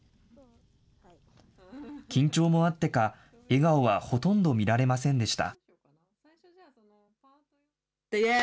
緊張もあってか、笑顔はほとんど見られませんでした。